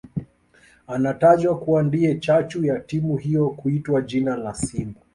Anatajwa kuwa ndiye chachu ya timu hiyo kuitwa jina la Simba